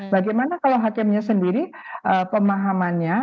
bagaimana kalau hakimnya sendiri pemahamannya